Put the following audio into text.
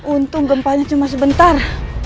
untung gempanya cuma sebentar